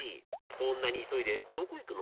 そんなにいそいでどこいくの？